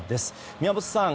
宮本さん。